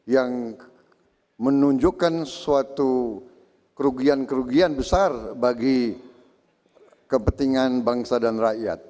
yang menunjukkan suatu kerugian kerugian besar bagi kepentingan bangsa dan rakyat